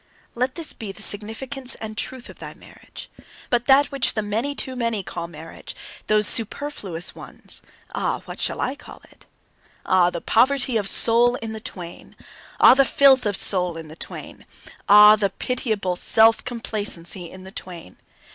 Let this be the significance and the truth of thy marriage. But that which the many too many call marriage, those superfluous ones ah, what shall I call it? Ah, the poverty of soul in the twain! Ah, the filth of soul in the twain! Ah, the pitiable self complacency in the twain!